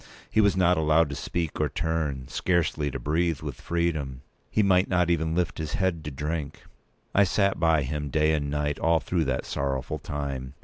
He was not allowed to speak or turn—scarcely to breathe with freedom. He might not even lift his head to drink. I sat by him day and night all through that sorrowful time.